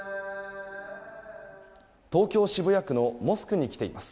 東京・渋谷区のモスクに来ています。